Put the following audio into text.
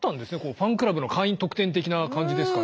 ファンクラブの会員特典的な感じですかね。